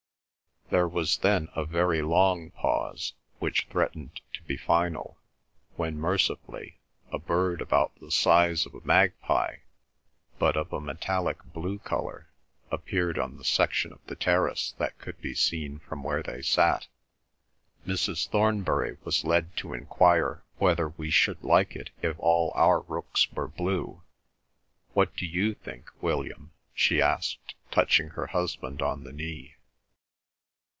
There was then a very long pause, which threatened to be final, when, mercifully, a bird about the size of a magpie, but of a metallic blue colour, appeared on the section of the terrace that could be seen from where they sat. Mrs. Thornbury was led to enquire whether we should like it if all our rooks were blue—"What do you think, William?" she asked, touching her husband on the knee.